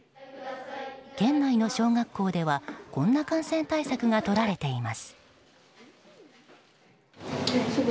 県内の小学校ではこんな感染対策がとられています。